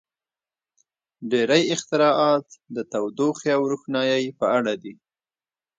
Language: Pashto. • ډېری اختراعات د تودوخې او روښنایۍ په اړه دي.